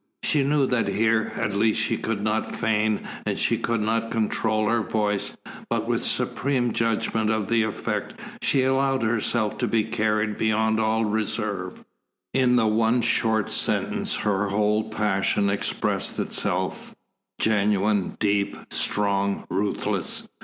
She knew that here, at least, she could not feign and she could not control her voice, but with supreme judgment of the effect she allowed herself to be carried beyond all reserve. In the one short sentence her whole passion expressed itself, genuine, deep, strong, ruthless.